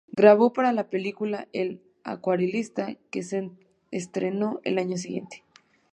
Grabó para la película "El acuarelista", que se estrenó el año siguiente.